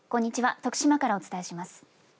徳島からお伝えします。